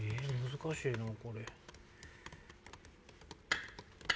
難しいなこれ。